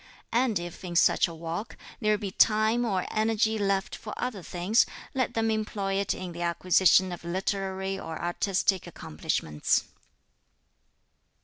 And if, in such a walk, there be time or energy left for other things, let them employ it in the acquisition of literary or artistic accomplishments."